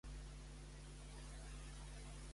Com era el Sant?